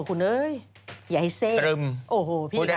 ขึ้นไปบนรถไฟฟ้า